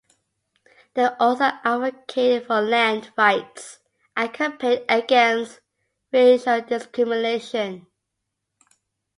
They also advocated for land rights and campaigned against racial discrimination.